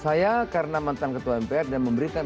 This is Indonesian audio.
saya karena mantan ketua mpr dan memberikan